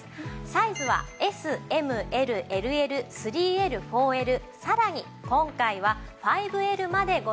サイズはＳＭＬＬＬ３Ｌ４Ｌさらに今回は５Ｌまでご用意しております。